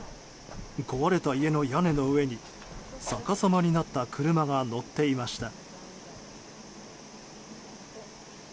壊れた家の屋根の上にさかさまになった車が乗っていました。